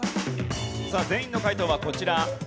さあ全員の解答はこちら。